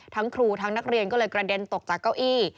ครูทั้งนักเรียนก็เลยกระเด็นตกจากเก้าอี้